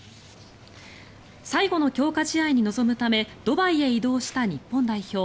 最後の強化試合に臨むためドバイへ移動した日本代表。